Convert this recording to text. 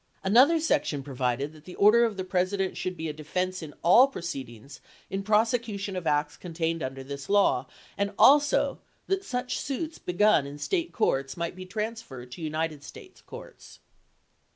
Another section provided that the order of the President should be a defense in all proceedings in prosecution of acts contained under this law, and also that such suits begun in State courts might be transferred to United States courts.